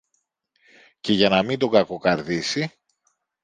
Και για να μην τον κακοκαρδίσει